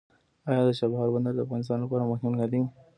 آیا د چابهار بندر د افغانستان لپاره مهم نه دی؟